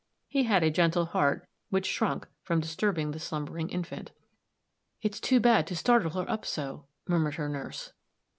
He had a gentle heart, which shrunk from disturbing the slumbering infant. "It's too bad to startle her up so," murmured her nurse.